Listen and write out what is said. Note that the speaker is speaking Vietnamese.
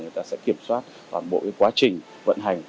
người ta sẽ kiểm soát toàn bộ quá trình vận hành